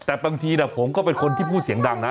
แต่บางทีผมก็เป็นคนที่พูดเสียงดังนะ